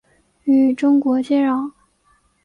与中国接壤。